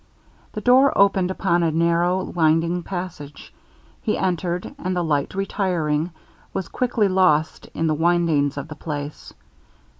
The door opened upon a narrow winding passage; he entered, and the light retiring, was quickly lost in the windings of the place.